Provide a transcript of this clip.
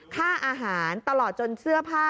ค่าอาหารตลอดจนเสื้อผ้า